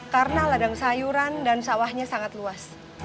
karena ladang sayuran dan sawahnya sangat luas